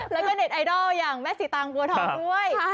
แล้วก็เน็ตไอดอลอย่างแม่สีตางบัวทองด้วย